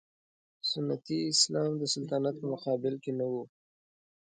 سنتي اسلام د سلطنت په مقابل کې نه و.